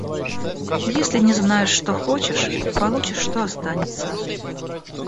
Если не знаешь, что хочешь, получишь, что останется.